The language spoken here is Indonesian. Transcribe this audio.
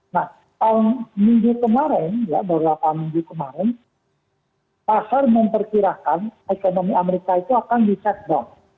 nah minggu kemarin ya beberapa minggu kemarin pasar memperkirakan ekonomi amerika itu akan di shutdown